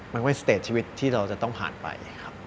มันก็เป็นสเตตชีวิตที่เราจะต้องผ่านไป